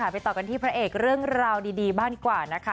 ไปต่อกันที่พระเอกเรื่องราวดีบ้างกว่านะคะ